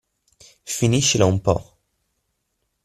Finiscila un po'.